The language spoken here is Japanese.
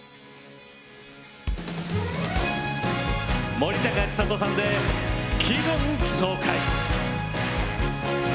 森高千里さんで「気分爽快」。